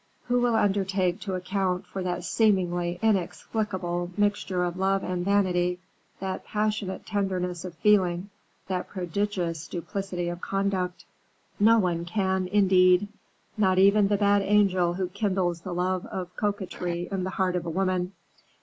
Who will undertake to account for that seemingly inexplicable mixture of love and vanity, that passionate tenderness of feeling, that prodigious duplicity of conduct? No one can, indeed; not even the bad angel who kindles the love of coquetry in the heart of a woman.